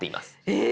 え